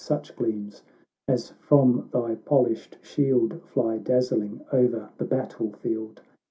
Such gleams, as from thy polished shield Fly dazzling o'er the battle field